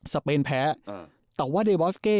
เปนแพ้แต่ว่าเดบอสเก้